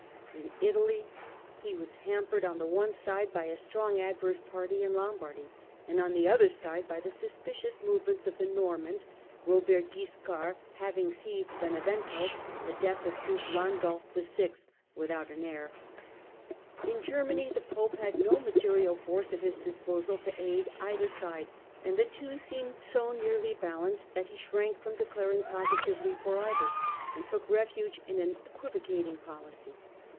In Italy he was Digitized by VjOOQIC 140 HiLDEBRAND hampered on the one side by a strong adverse party in Lombardy, and on the other by the suspicious move ments of the Normans, Robert Wiscard having seized Benevento on the death of duke Landulf VI. without an heir. In Germany the pope had no material force at his disposal to aid either side, and the two seemed so nearly balanced that he shrank from declaring positively for either, and took refuge in an equivocating policy.